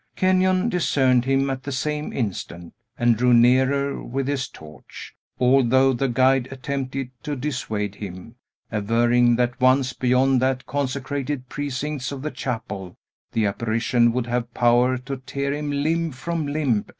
Kenyon discerned him at the same instant, and drew nearer with his torch; although the guide attempted to dissuade him, averring that, once beyond the consecrated precincts of the chapel, the apparition would have power to tear him limb from limb.